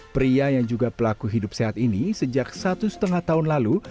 pria yang juga pelaku hidup sehat ini sejak satu setengah tahun lalu